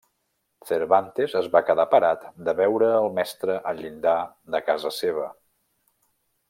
Cervantes es va quedar parat de veure el mestre al llindar de casa seva.